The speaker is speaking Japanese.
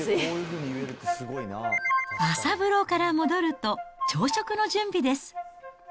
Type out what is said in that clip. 朝風呂から戻ると、朝食の準備です。